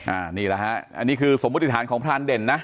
อันนี้แหละฮะอันนี้คือสมมุติฐานของพรานเด่นนะ